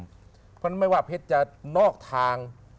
เพราะฉะนั้นไม่ว่าเพชรจะนอกทาง